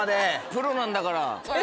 プロなんだから。